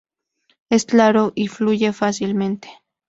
Es claro y fluye fácilmente.